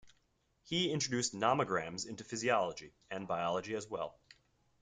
He introduced nomograms into physiology and biology as well.